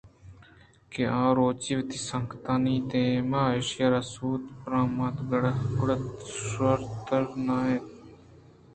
کہ آ روچی وتی سنگتانی دیما ایشی ءَ را صوت پرمات! گُڑا شرتر نہ ات کہ صوت ءِ بدل ءَ ایشی ءِگردن بِہ گپتین ءُ تاب بِہ داتیں